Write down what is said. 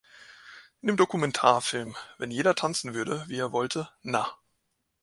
In dem Dokumentarfilm Wenn jeder tanzen würde, wie er wollte, na!